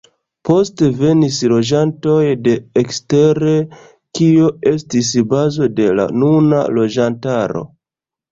Poste venis loĝantoj de ekstere kio estis bazo de la nuna loĝantaro.